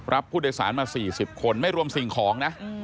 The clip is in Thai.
รับผู้โดยสารมา๔๐คนไม่รวมสิ่งของนะ